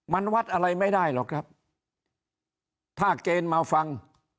มันวัดอะไรไม่ได้หรอกครับถ้าเกณฑ์มาฟัง